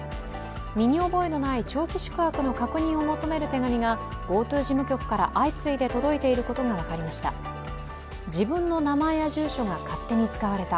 身に覚えのない長期宿泊の確認を求める手紙がＧｏＴｏ事務局から相次いで届いていることが分かりました。